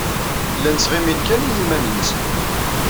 Llan ttɣimin kan i yiman-nsen.